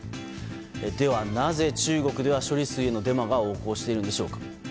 では、なぜ中国では処理水へのデマが横行しているんでしょうか。